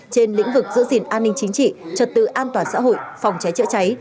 trên lĩnh vực giữ gìn an ninh chính trị trật tự an toàn xã hội phòng cháy chữa cháy